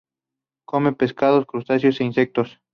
Come pescados, crustáceos e insectos.